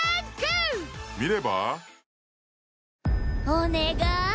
お願い。